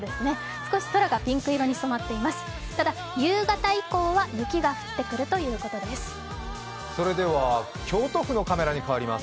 少し空がピンク色に染まっています。